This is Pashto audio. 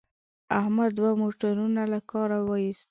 احمد دوه موټرونه له کاره و ایستل.